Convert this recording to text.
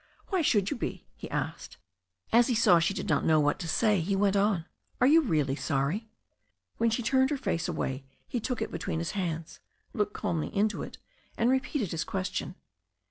"Why should you be?'* he asked. As he saw she did not know what to say he went on, "Are you really sorry?" When she turned her face away he took it between his hands, looked calmly into it, and repeated his question.